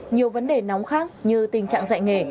nhiều vấn đề nóng khác như tình trạng dạy nghề